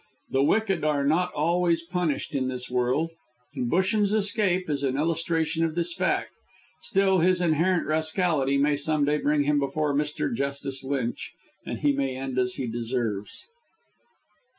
The wicked are not always punished in this world, and Busham's escape is an illustration of this fact. Still, his inherent rascality may some day bring him before Mr. Justice Lynch, and he may end as he deserves.